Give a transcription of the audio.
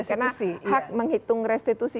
karena hak menghitung restitusi